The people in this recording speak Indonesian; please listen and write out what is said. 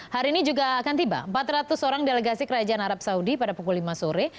hari ini juga akan tiba empat ratus orang delegasi kerajaan arab saudi pada pukul lima sore